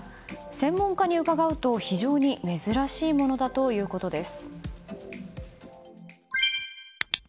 専門家に伺うと非常に珍しいものだということです。